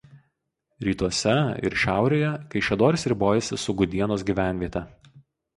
Rytuose ir šiaurėje Kaišiadorys ribojasi su Gudienos gyvenviete.